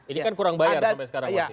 ini kan kurang bayar sampai sekarang